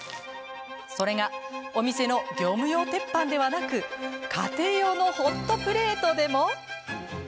それがお店の業務用鉄板ではなく家庭用のホットプレートでも。